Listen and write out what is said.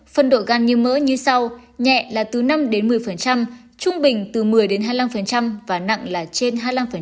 phân độ gan như mỡ như sau nhẹ là từ năm một mươi trung bình từ một mươi hai mươi năm và nặng là trên hai mươi năm